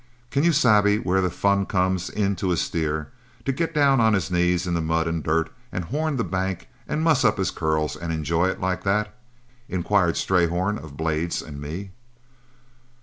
"Can you sabe where the fun comes in to a steer, to get down on his knees in the mud and dirt, and horn the bank and muss up his curls and enjoy it like that?" inquired Strayhorn of Blades and me.